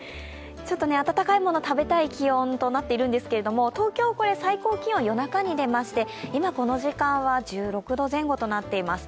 温かいもの食べたい気温となっているんですけど東京、最高気温、夜中に出まして、今、この時間は１６度前後となっています。